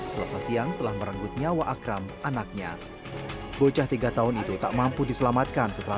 selasa siang telah merenggut nyawa akram anaknya bocah tiga tahun itu tak mampu diselamatkan setelah